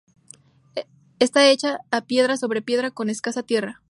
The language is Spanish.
Está hecha a piedra sobre piedra con escasa tierra.